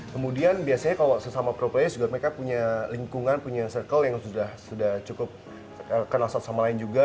kemudian biasanya kalau sesama pro price juga mereka punya lingkungan punya circle yang sudah cukup kenal satu sama lain juga